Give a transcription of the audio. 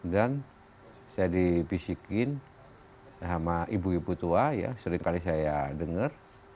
dan saya dipisikin sama ibu ibu tua seringkali saya dengar